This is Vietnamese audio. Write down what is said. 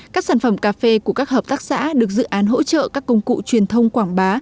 các sản phẩm cà phê của các hợp tác xã được dự án hỗ trợ các công cụ truyền thông quảng bá